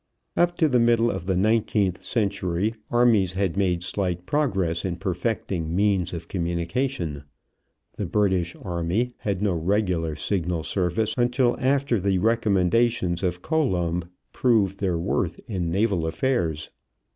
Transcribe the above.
Up to the middle of the nineteenth century armies had made slight progress in perfecting means of communication. The British army had no regular signal service until after the recommendations of Colomb proved their worth in naval affairs.